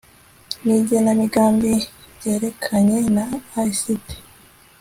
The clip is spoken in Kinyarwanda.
n igenamigambi ryerekeranye na ICT